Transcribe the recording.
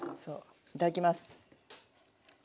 いただきます。